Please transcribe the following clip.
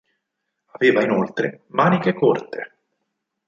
Aveva inoltre maniche corte.